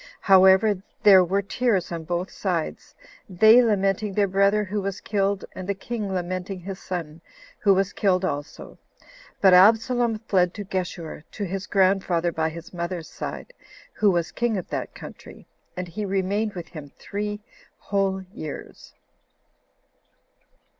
However, their were tears on both sides; they lamenting their brother who was killed, and the king lamenting his son, who was killed also; but Absalom fled to Geshur, to his grandfather by his mother's side, who was king of that country, and he remained with him three whole years.